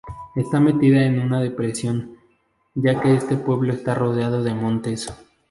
Está metida en una depresión, ya que este pueblo está rodeado de montes.